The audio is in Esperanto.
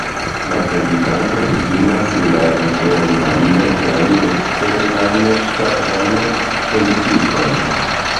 La prezidanto difinas la internan kaj eksteran ŝtatan politikon.